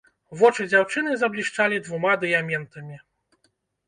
Вочы дзяўчыны заблішчалі двума дыяментамі.